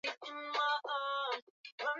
likiwaka moto Shimo la Kimberley lililotokana na